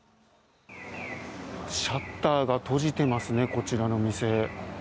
シャッターが閉じていますね、こちらの店。